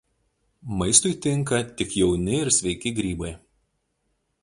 Maistui tinka tik jauni ir sveiki grybai.